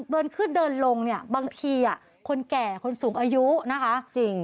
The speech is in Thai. เดินขึ้นเดินลงเนี่ยบางทีคนแก่คนสูงอายุนะคะจริง